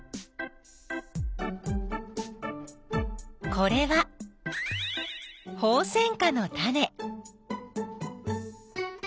これはホウセンカのタネ。